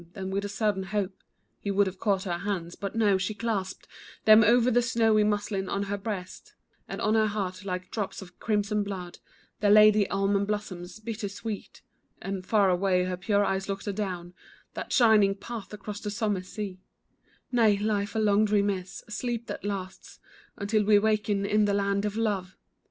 Then with a sudden hope He would have caught her hands, but no, she clasped Them o'er the snowy muslin on her breast, And on her heart like drops of crimson blood, There lay the almond blossoms, bitter, sweet; And far away her pure eyes looked adown That shining path across the summer sea, "Nay, life a long dream is, a sleep that lasts Until we waken in the land of love."